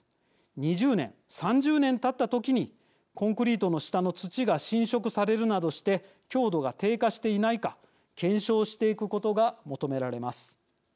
２０年、３０年たった時にコンクリートの下の土が侵食されるなどして強度が低下していないか検証していくことが求められます。